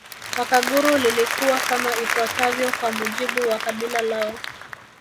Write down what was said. Wakaguru lilikuwa kama ifuatavyo kwa mujibu wa kabila lao